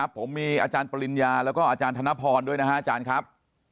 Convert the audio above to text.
ครับผมมีอาจารย์ปริญญาและอาจารย์ธนพรด้วยนะครับอาจารย์ครับ